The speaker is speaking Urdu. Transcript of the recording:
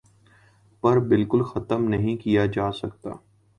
پر بالکل ختم نہیں کیا جاسکتا